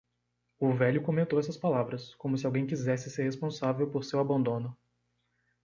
O velho comentou essas palavras, como se alguém quisesse ser responsável por seu abandono.